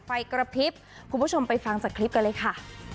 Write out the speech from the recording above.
ไฟกระพริบคุณผู้ชมไปฟังจากคลิปกันเลยค่ะ